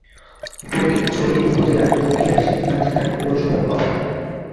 ফটিকছড়ি উপজেলার দক্ষিণাংশে নাজিরহাট পৌরসভার অবস্থান।